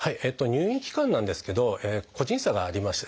入院期間なんですけど個人差があります。